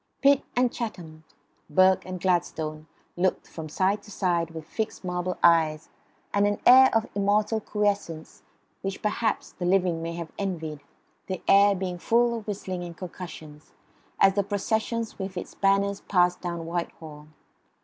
Pitt and Chatham, Burke and Gladstone looked from side to side with fixed marble eyes and an air of immortal quiescence which perhaps the living may have envied, the air being full of whistling and concussions, as the procession with its banners passed down Whitehall.